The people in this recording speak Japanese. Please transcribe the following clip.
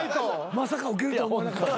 まさかウケるとは思わなかった？